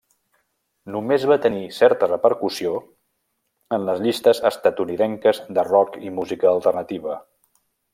Només va tenir certa repercussió en les llistes estatunidenques de rock i música alternativa.